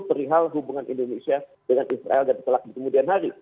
perihal hubungan indonesia dengan israel dan setelah kemudian hari